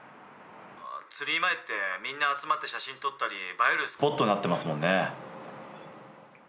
ツリー前ってみんな集まって写真撮ったり映えるスポットになってますもんね。